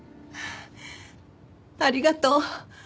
ありがとう！